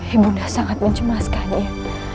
ibu sudah sangat mencemaskannya